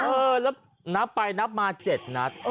เออแล้วนับไปนับมา๗นัด